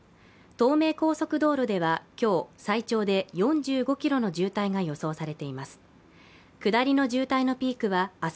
東名高速道路では今日、最長で４５ｋｍの渋滞が予想されています。